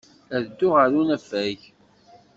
Ad dduɣ ɣer unafag.